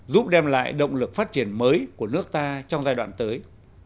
giúp đem lại động lực phát triển mới của nước ta trong giai đoạn tới